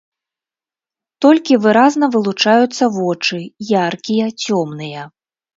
Толькі выразна вылучаюцца вочы, яркія, цёмныя.